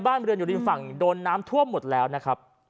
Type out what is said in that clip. บริเวณอยู่ริมฝั่งโดนน้ำท่วมหมดแล้วนะครับ